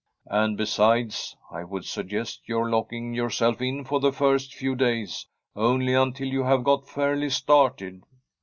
And besides, I would suggest your locking yourself in for the first few rays— only until you have got fairly started.'